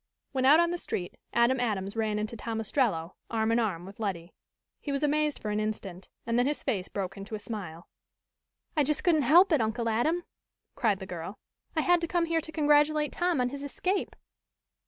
When out on the street, Adam Adams ran into Tom Ostrello, arm in arm with Letty. He was amazed for an instant, and then his face broke into a smile. "I just couldn't help it, Uncle Adam!" cried the girl. "I had to come here to congratulate Tom on his escape."